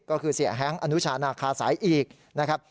ก็คือเสียแฮ้งอนุชานาคาสายอีกนะครับ